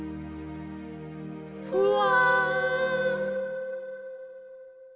ふわ。